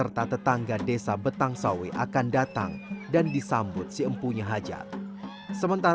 ritual pasiap ini dilakukan guna menghormati tamu dan memastikan tidak ada satupun tamu yang merasa lapar di betang sawe